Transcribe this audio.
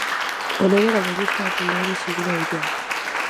O neno era moi listo e aprendeu deseguida o idioma.